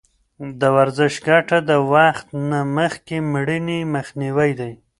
د ورزش ګټه د وخت نه مخکې مړینې مخنیوی دی.